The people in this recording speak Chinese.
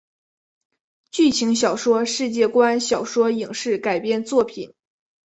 剧情小说世界观小说影视改编作品